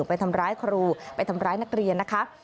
ไปทำร้ายครูไปทำร้ายนักเรียนนะคะ